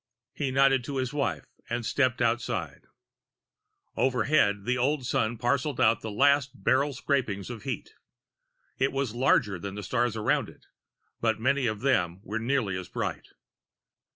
He nodded to his wife and stepped outside. Overhead, the Old Sun parceled out its last barrel scrapings of heat. It was larger than the stars around it, but many of them were nearly as bright.